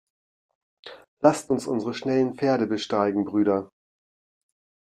Lasst uns unsere schnellen Pferde besteigen, Brüder!